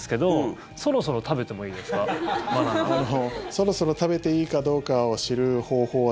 そろそろ食べていいかどうかを知る方法は